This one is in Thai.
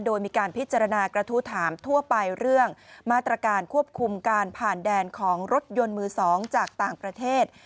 โดยมีการพิจารณากระทู้ถามทั่วไปเรื่องมาตรการควบคุมการผ่านแดนของรถยนต์มือ๒จากต่างประเทศ